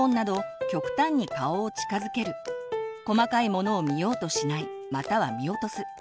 細かいものを見ようとしないまたは見落とす。